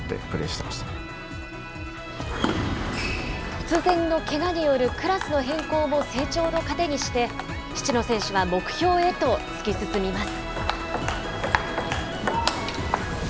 突然のけがによるクラスの変更も成長のかてにして、七野選手は目標へと突き進みます。